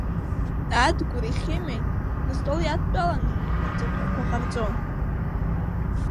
Адгәыри Хьымеи, астол иадтәаланы, рҵатәхәқәа ҟарҵон.